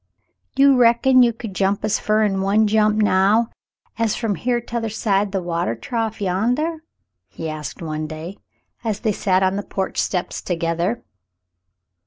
"You reckon you could jump as fer in one jump now as from here to t'other side the water trough yandah ?" he asked one day, as they sat on the porch steps together.